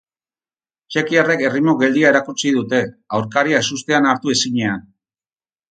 Txekiarrek erritmo geldia erakutsi dute, aurkaria ezustean hartu ezinean.